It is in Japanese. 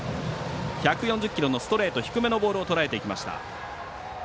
１４０キロのストレート低めのボールをとらえていきました。